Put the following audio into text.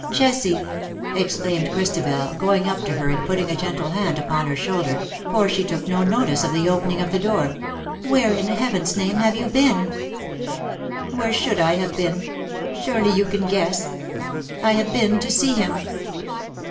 *' Jessie/' exclaimed Chris tabel, going up to her and putting a gentle hand upon her shoulder, for she took no notice of the opening of the door, " where in heaven^s name have you been T* ^' Where should I have been ? Surely you can guess ! I have been to see him."